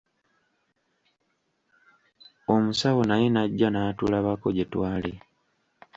Omusawo naye n'ajja n'atulabako gye twali.